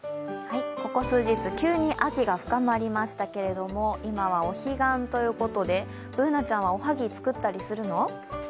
ここ数日、急に秋が深まりましたけれども、今はお彼岸ということでＢｏｏｎａちゃんは、おはぎ作ったりするの？